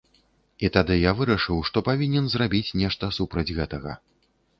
І тады я вырашыў, што павінен зрабіць нешта супраць гэтага.